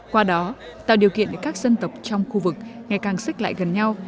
qua đó tạo điều kiện để các dân tộc trong khu vực ngày càng xích lại gần nhau